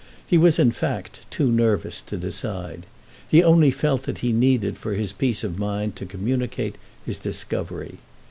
He was in fact too nervous to decide; he only felt that he needed for his peace of mind to communicate his discovery.